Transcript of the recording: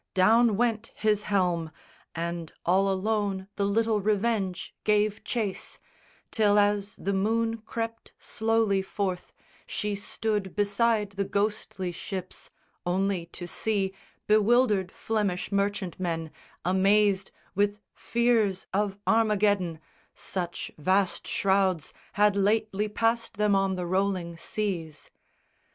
Down went his helm, And all alone the little Revenge gave chase, Till as the moon crept slowly forth, she stood Beside the ghostly ships, only to see Bewildered Flemish merchantmen, amazed With fears of Armageddon such vast shrouds Had lately passed them on the rolling seas.